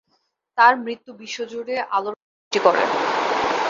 তার মৃত্যু বিশ্বজুড়ে আলোড়ন সৃষ্টি করে।